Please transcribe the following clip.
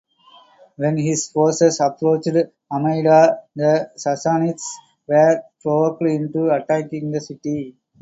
When his forces approached Amida, the Sassanids were provoked into attacking the city.